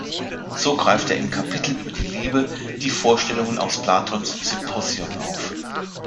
So greift er im Kapitel über die Liebe die Vorstellungen aus Platons Symposion auf.